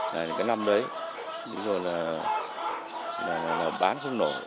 cái năm đấy bây giờ là bán không nổi